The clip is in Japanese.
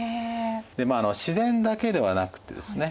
でまあ自然だけではなくてですね